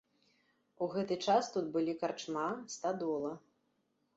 У гэты час тут былі карчма, стадола.